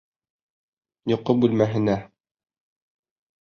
Йоҡо бүлмәһенә!